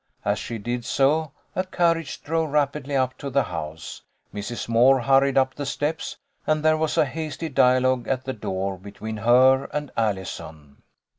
As she did so, a carriage drove rapidly up to the house, Mrs. Moore hurried up the steps, and there was a hasty dialogue at the door between her and Allison.